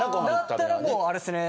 だったらもうあれっすね